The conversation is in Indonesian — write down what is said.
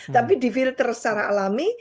tapi di filter secara alami